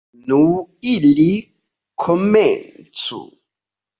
Nu, ili komencu!